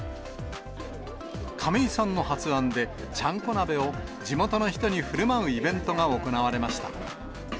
亀井さんの発案で、ちゃんこ鍋を地元の人にふるまうイベントが行われました。